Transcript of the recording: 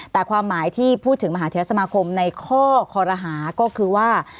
แต่ความหมายที่พูดถึงมหาเทศสมาคมในข้อคอรหาก็คือว่า